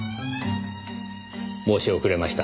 申し遅れました。